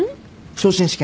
昇進試験。